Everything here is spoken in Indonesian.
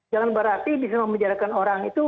jangan berarti bisa memenjarakan orang itu